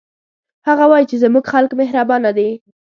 هغه وایي چې زموږ خلک مهربانه دي